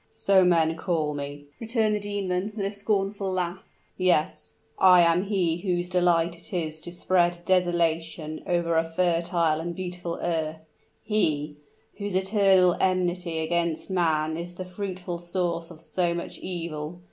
"So men call me," returned the demon, with a scornful laugh, "Yes I am he whose delight it is to spread desolation over a fertile and beautiful earth he, whose eternal enmity against man is the fruitful source of so much evil!